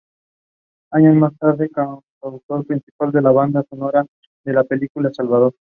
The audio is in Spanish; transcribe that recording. Años más tarde el cantautor participó en la banda sonora de la película "Salvador".